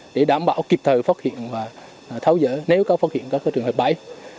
để đảm bảo kịp thời phát hiện và tháo dỡ nếu có phát hiện các trường hợp bẫy